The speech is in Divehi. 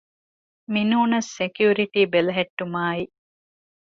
މިނޫނަސް ސެކިއުރިޓީ ބެލެހެއްޓުމާއި